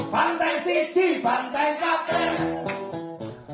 pan pan si ci pan tan ka pen